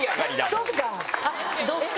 そっか！